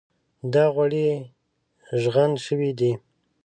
دا غوړي ږغن شوي دي.